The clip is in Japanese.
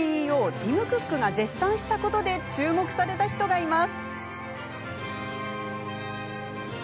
ティム・クックが絶賛したことで注目された人がいます。